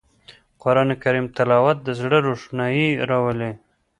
قرآن کریم تلاوت د زړه روښنايي راولي